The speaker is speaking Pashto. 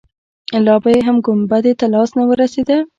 لا به يې هم ګنبدې ته لاس نه وررسېده.